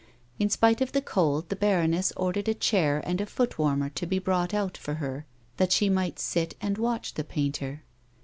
In spite of the cold the baroness ordered a chair and a foot warmer to be brought out for her that she might sit and watch the painter.